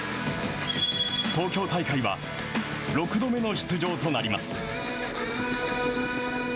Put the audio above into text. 東京大会は６度目の出場となります。